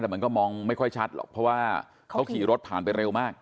แต่มันก็มองไม่ค่อยชัดหรอกเพราะว่าเขาขี่รถผ่านไปเร็วมาก